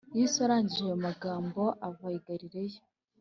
Yesu arangije ayo magambo ava i galilaya